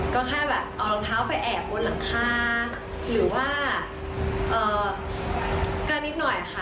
ก็แค่แบบเอารองเท้าไปแอบบนหลังคาหรือว่าก็นิดหน่อยค่ะ